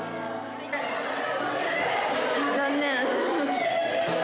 残念。